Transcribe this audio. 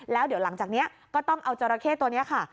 แล้วเดี๋ยวหลังจากนี้ก็ต้องเอาจราเข้ตัวนี้ค่ะ